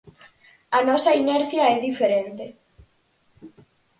A nosa inercia é diferente.